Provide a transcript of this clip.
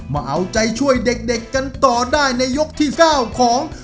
มาเอาใจช่วยเด็กกันต่อได้ในยกที่๙ของ